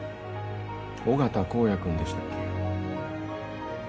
緒方公哉君でしたっけ